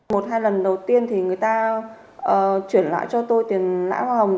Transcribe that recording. một hai lần đầu tiên thì người ta chuyển lại cho tôi tiền lãng hoa hồng